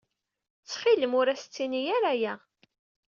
Ttxil-m, ur as-ttini ara aya.